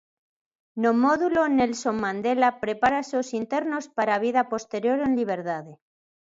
No módulo Nelson Mandela prepárase os internos para a vida posterior en liberdade.